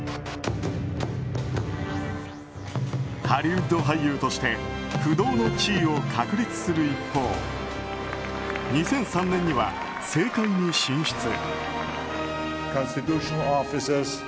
ハリウッド俳優として不動の地位を確立する一方２００３年には政界に進出。